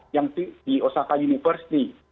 yang di osaka university